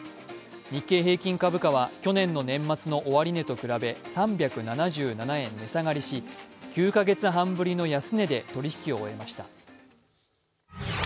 日経平均株価は去年の年末の終値と比べ３７７円値下がりし、９カ月半ぶりの安値で取引を終えました。